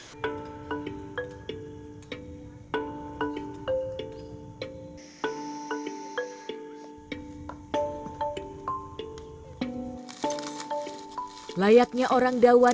sehingga mereka dapat memiliki makanan yang lebih baik